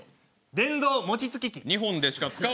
電動餅つき機。